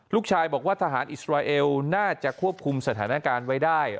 ลูกชายบอกว่าทหารอิสราเอลน่าจะควบคุมสถานการณ์ไว้ได้